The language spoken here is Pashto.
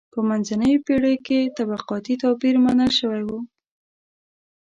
په منځنیو پېړیو کې طبقاتي توپیر منل شوی و.